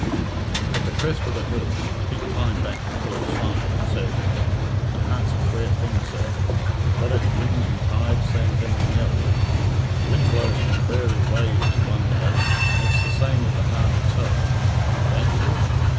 At the crest of the hill Pete climbed back to Philip's side, and said, "The heart's a quare thing, sir. Got its winds and tides same as anything else. The wind blows contrary ways in one day, and it's the same with the heart itself. Changeable?